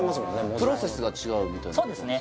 プロセスが違うみたいなことですか？